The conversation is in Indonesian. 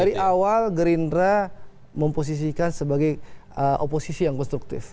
dari awal gerindra memposisikan sebagai oposisi yang konstruktif